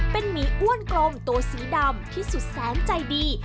เป็นหมีอ้วนกลมตัวสีดำที่สุดแสนใจดี